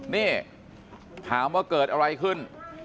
นี่ถามว่าเกิดอะไรขึ้น